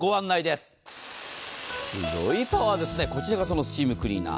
すごいパワーですね、こちらがそのスチームクリーナー